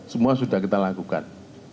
semua sudah kita lakukan